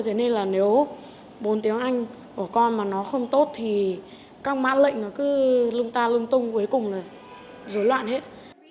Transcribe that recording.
thế nên là nếu bốn tiếng anh của con mà nó không tốt thì các mã lệnh nó cứ lung ta lung tung cuối cùng là dối loạn hết